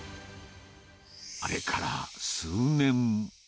あれから数年。